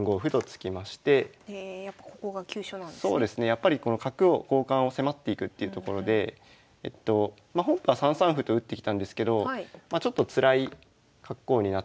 やっぱりこの角を交換を迫っていくっていうところでま本譜は３三歩と打ってきたんですけどちょっとつらい格好になって。